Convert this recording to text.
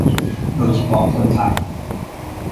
โดยเฉพาะคนไทย